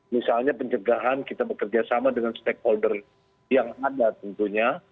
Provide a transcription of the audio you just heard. misalnya pencegahan kita bekerja sama dengan stakeholder yang ada tentunya